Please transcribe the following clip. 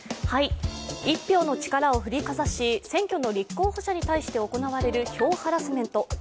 一票の力を振りかざし、選挙の立候補者に対して行われる票ハラスメント。